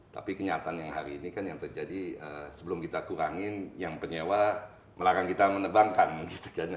tapi kenyataan yang hari ini kan yang terjadi sebelum kita kurangin yang penyewa melarang kita menebangkan gitu kan